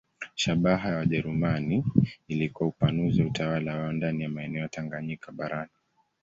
Shabaha ya Wajerumani ilikuwa upanuzi wa utawala wao ndani ya maeneo ya Tanganyika barani.